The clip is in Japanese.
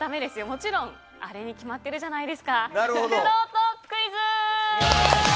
もちろんあれに決まってるじゃないですか。